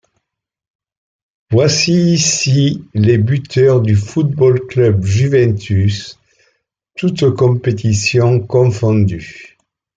Voici ici les buteurs du Foot-Ball Club Juventus toute compétitions confondues.